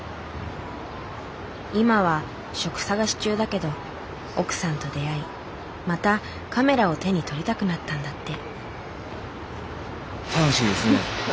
今は職探し中だけど奥さんと出会いまたカメラを手に取りたくなったんだって。